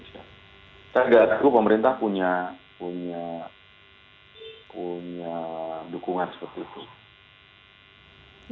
saya tidak tahu pemerintah punya dukungan seperti itu